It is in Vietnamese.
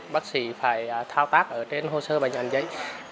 bác sĩ phải thao tác ở trên hồ sơ bệnh án giấy